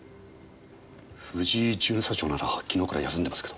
藤井巡査長なら昨日から休んでますけど。